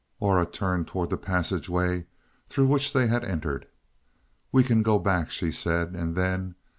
Aura turned towards the passageway through which they had entered. "We can go back," she said. And then.